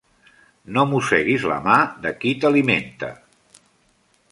No mosseguis la mà de qui t'alimenta.